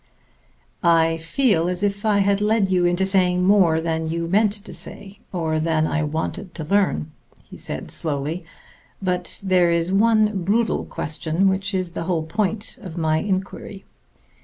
"I feel as if I had led you into saying more than you meant to say, or than I wanted to learn," he said slowly. "But there is one brutal question which is the whole point of my inquiry."